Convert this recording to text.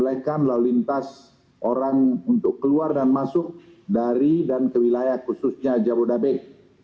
bolehkan lalu lintas orang untuk keluar dan masuk dari dan ke wilayah khususnya jabodebek